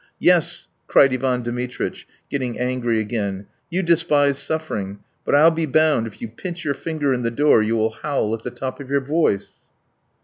Yes," cried Ivan Dmitritch, getting angry again, "you despise suffering, but I'll be bound if you pinch your finger in the door you will howl at the top of your voice."